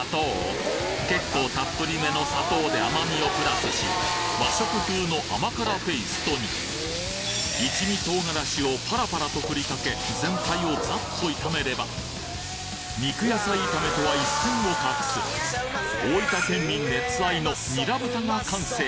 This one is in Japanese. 結構たっぷりめの砂糖で甘みをプラスし和食風の甘辛テイストに一味唐辛子をパラパラと振りかけ全体をざっと炒めれば肉野菜炒めとは一線を画す大分県民熱愛のにら豚が完成！